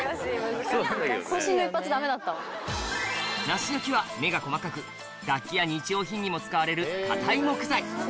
梨の木は目が細かく楽器や日用品にも使われる堅い木材